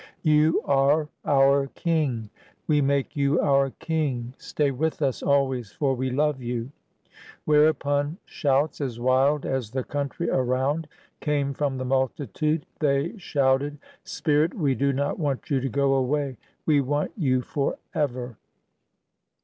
You are our king. We make you our king. Stay with us always, for we love you!" Where upon shouts as wild as the country around came from the multitude. They shouted, "Spirit, we do not want you to go away — we want you forever!"